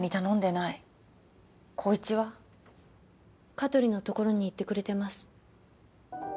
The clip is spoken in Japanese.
香取のところに行ってくれてます。